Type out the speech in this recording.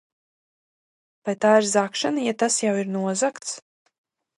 Vai tā ir zagšana, ja tas jau ir nozagts?